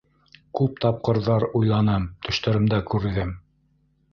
Күп тапҡырҙар уйланым, төштәремдә күрҙем.